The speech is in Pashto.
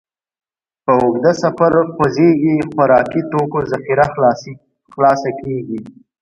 په اوږده سفر خوځېږئ، خوراکي توکو ذخیره خلاصه کېږي.